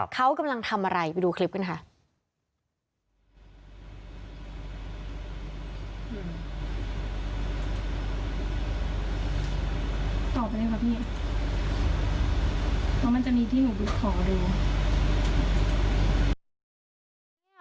เขากำลังทำอะไรไปดูคลิปกันค่ะ